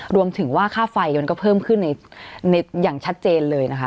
รวมถึงว่าค่าไฟยนต์ก็เพิ่มขึ้นอย่างชัดเจนเลยนะคะ